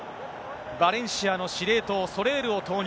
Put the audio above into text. バレンシアの司令塔、ソレールを投入。